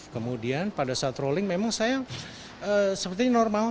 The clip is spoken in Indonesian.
kemudian pada saat rolling memang saya sepertinya normal